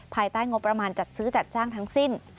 ภายใต้งบประมาณจัดซื้อจัดจ้างทั้งสิ้น